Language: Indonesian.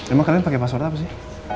emang kalian pakai password apa sih